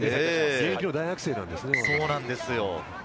現役の大学生なんですね。